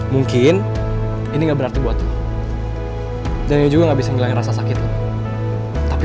mungkin ini gak berarti buat dan juga bisa ngelain rasa sakit tapi